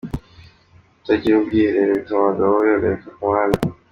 Kutagira ubwiherero bituma abagabo bihagarika ku mihanda